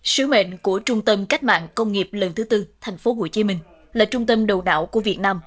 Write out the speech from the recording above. sứ mệnh của trung tâm cách mạng công nghiệp lần thứ tư tp hcm là trung tâm đầu đảo của việt nam